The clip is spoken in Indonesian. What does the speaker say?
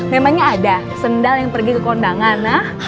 memangnya ada sendal yang pergi ke kondangan ah